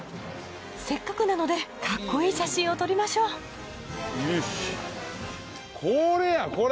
せっかくなのでかっこいい写真を撮りましょうこれやこれ。